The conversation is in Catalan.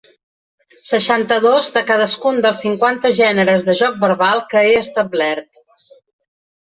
Seixanta-dos de cadascun dels cinquanta gèneres de joc verbal que he establert.